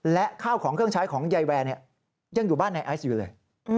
และข้าวของเครื่องใช้ของยายแวร์ยังอยู่บ้านนายไอซ์อยู่เลย